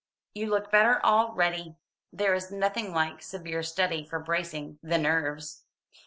"You look better already. There is nothing like severe study for bracing the nerves."